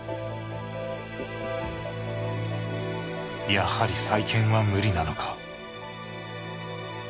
やはり再建は無理なのか。